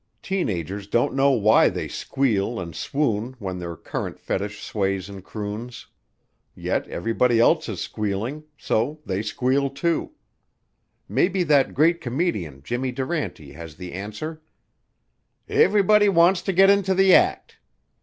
Teen agers don't know why they squeal and swoon when their current fetish sways and croons. Yet everybody else is squealing, so they squeal too. Maybe that great comedian, Jimmy Durante, has the answer: "Everybody wants to get into the act."